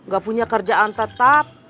gak punya kerjaan tetap